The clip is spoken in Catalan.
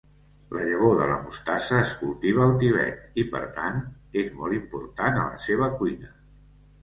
La llavor de la mostassa es cultiva al Tibet i, per tant, és molt important a la seva cuina.